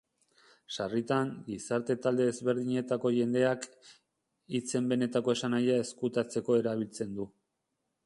Sarritan, gizarte-talde ezberdinetako jendeak, hitzen benetako esanahia ezkutatzeko erabiltzen du.